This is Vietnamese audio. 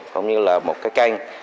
cũng như là một cái kênh